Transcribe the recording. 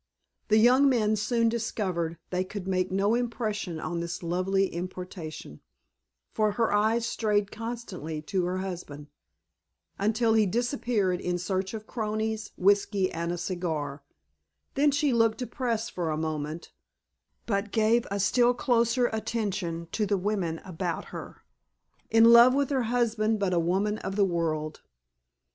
The young men soon discovered they could make no impression on this lovely importation, for her eyes strayed constantly to her husband; until he disappeared in search of cronies, whiskey, and a cigar: then she looked depressed for a moment, but gave a still closer attention to the women about her. In love with her husband but a woman of the world.